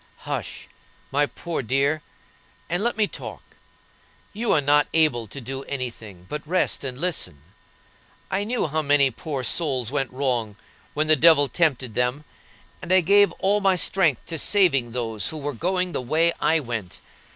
"Hush, my poor dear, and let me talk. You are not able to do any thing, but rest, and listen. I knew how many poor souls went wrong when the devil tempted them; and I gave all my strength to saving those who were going the way I went.